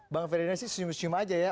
bang ferdinand sih senyum senyum aja ya